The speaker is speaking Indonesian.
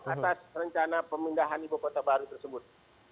atas rencana pemindahan ibu kota baru tersebut